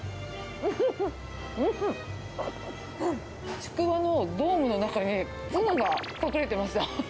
ちくわのドームの中に、ツナが隠れてました。